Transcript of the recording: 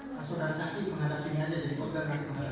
saudara saksi menghadap sini aja jadi bohongkan hati hati